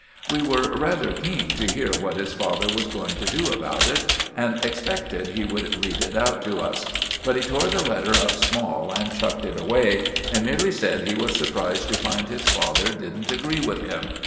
We were rather keen to hear what his father was going to do about it, and expected he would read it out to us. But he tore the letter up small, and chucked it away, and merely said he was surprised to find his father didn't agree with him.